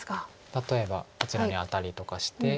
例えばこちらにアタリとかして。